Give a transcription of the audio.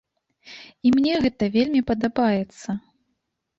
І мне гэта вельмі падабаецца!